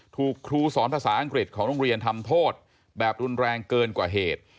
ถูกครูสอนภาษาอังกฤษของโรงเรียนทำโทษแบบรุนแรงเกินกว่าเหตุ